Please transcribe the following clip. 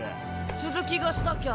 続きがしたきゃ